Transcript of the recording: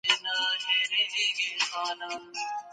افغان حکومت د ګډو پولو په اوږدو کي ناقانونه فعالیتونه نه زغمي.